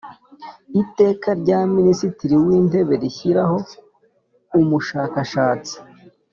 Iteka rya Minisitiri w Intebe rishyiraho Umushakashatsi